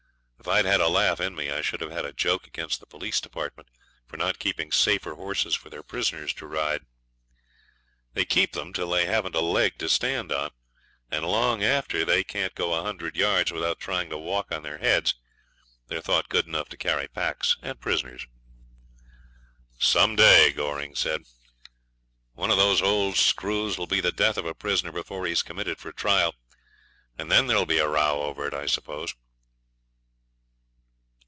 If I'd had a laugh in me, I should have had a joke against the Police Department for not keeping safer horses for their prisoners to ride. They keep them till they haven't a leg to stand upon, and long after they can't go a hundred yards without trying to walk on their heads they're thought good enough to carry packs and prisoners. 'Some day,' Goring said, 'one of those old screws will be the death of a prisoner before he's committed for trial, and then there'll be a row over it, I suppose.'